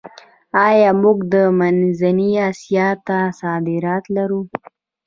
آیا موږ منځنۍ اسیا ته صادرات لرو؟